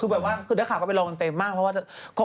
คือแบบว่าคือเนื่องขาหาก็ไปลองเมียงเต็มมาก